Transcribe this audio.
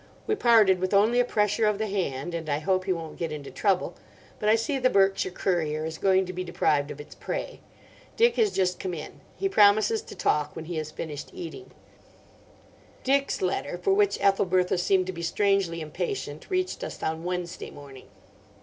We parted with only a pressure of the hand, and I hope he won't get into trouble, but I see The Berkshire Courier is going to be deprived of its prey. Dick has just come in. He promises to talk when he has finished eating." Dick's letter, for which Ethelbertha seemed to be strangely impatient, reached us on Wednesday morning.